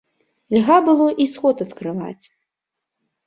Льга было й сход адкрываць.